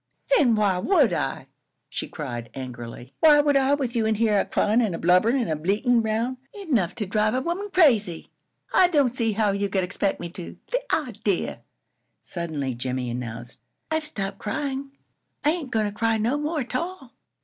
"An' why would I?" she cried, angrily. "Why would I with you in here a cryin' an' a blubberin' an' a bleatin' round? Enough to drive a woman crazy! I don't see how you could expect me to! The idea!" Suddenly Jimmie announced: "I've stopped cryin'. I ain't goin' to cry no more 'tall."